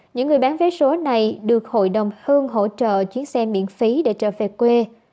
những người bán vé số này được hội đồng hương hỗ trợ chuyến xe miễn phí để trở về quê